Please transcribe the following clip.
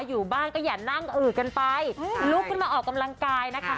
อยู่บ้านก็อย่านั่งอือกันไปลุกขึ้นมาออกกำลังกายนะคะ